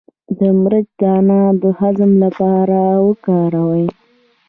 د مرچ دانه د هضم لپاره وکاروئ